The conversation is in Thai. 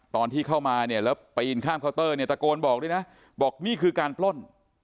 ตอนที่เข้ามาเนี่ยแล้วปีนข้ามเคาน์เตอร์เนี่ยตะโกนบอกด้วยนะบอกนี่คือการปล้น